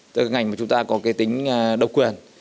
tức là ngành mà chúng ta có cái tính độc quyền